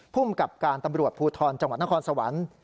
ภูมิกับการตำรวจภูทรจังหวัดนครสวรรค์